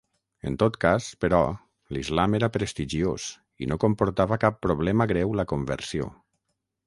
En tot cas però l'islam era prestigiós i no comportava cap problema greu la conversió.